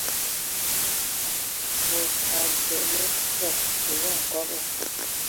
Mod abələ fəg fili nkɔbɔ.